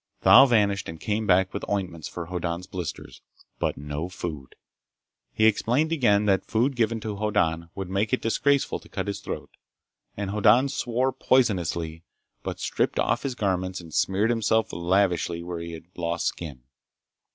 Thal vanished and came back with ointments for Hoddan's blisters, but no food. He explained again that food given to Hoddan would make it disgraceful to cut his throat. And Hoddan swore poisonously, but stripped off his garments and smeared himself lavishly where he had lost skin.